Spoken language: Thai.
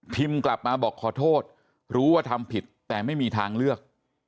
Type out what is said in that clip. กลับมาบอกขอโทษรู้ว่าทำผิดแต่ไม่มีทางเลือก